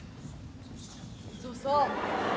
そうそう。